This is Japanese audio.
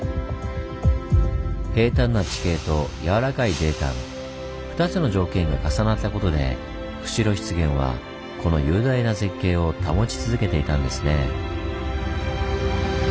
「平坦な地形」と「軟らかい泥炭」２つの条件が重なったことで釧路湿原はこの雄大な絶景を保ち続けていたんですね。